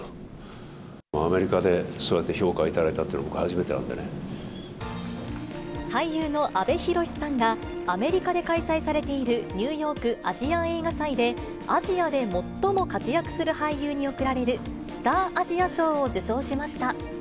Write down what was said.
アメリカでそうやって評価をいただいたというのは、僕、初めてな俳優の阿部寛さんが、アメリカで開催されているニューヨーク・アジアン映画祭で、アジアで最も活躍する俳優に贈られる、スター・アジア賞を受賞しました。